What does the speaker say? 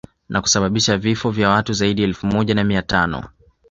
Na kusababisha vifo vya watu zaidi ya elfu moja na mia tano